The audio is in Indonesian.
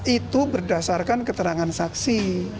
itu berdasarkan keterangan saksi